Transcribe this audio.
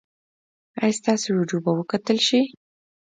ایا ستاسو ویډیو به وکتل شي؟